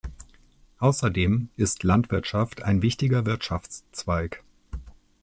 Außerdem ist Landwirtschaft ein wichtiger Wirtschaftszweig.